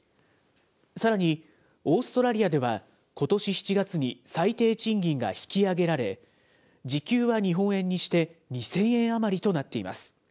さらに、オーストラリアではことし７月に最低賃金が引き上げられ、時給は日本円にして２０００円余りとなっています。